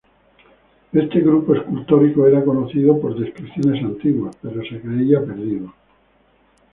Este grupo escultórico era conocido por descripciones antiguas, pero se creía perdido.